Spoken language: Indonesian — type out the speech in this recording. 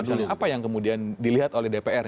misalnya apa yang kemudian dilihat oleh dpr